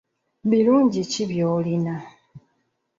Birungi ki by'olina?